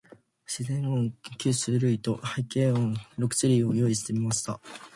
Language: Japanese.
自然音九種類と、背景音六種類を用意してみました。